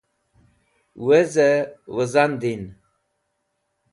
Weze Wizan Din